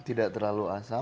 tidak terlalu asam